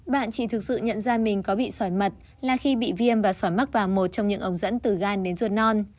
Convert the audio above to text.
bạn chỉ thực sự nhận ra mình có bị sỏi mật là khi bị viêm và sỏi mắc vào một trong những ống dẫn từ gan đến ruột non